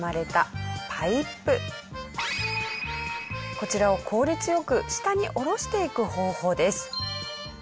こちらを効率よく下に下ろしていく方法です。